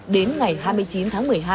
đến ngày hai mươi chín tháng một mươi hai